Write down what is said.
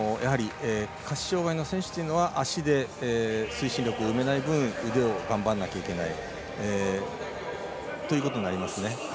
下肢障がいの選手というのは足で推進力を生めない分腕を頑張らなきゃいけないということになりますね。